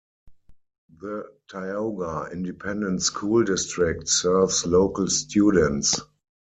The Tioga Independent School District serves local students.